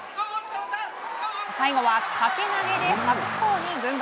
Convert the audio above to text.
最後は掛け投げで白鵬に軍配。